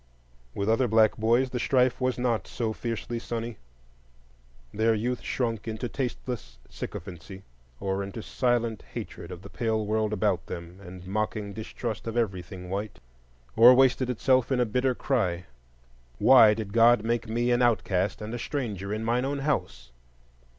With other black boys the strife was not so fiercely sunny: their youth shrunk into tasteless sycophancy, or into silent hatred of the pale world about them and mocking distrust of everything white; or wasted itself in a bitter cry, Why did God make me an outcast and a stranger in mine own house?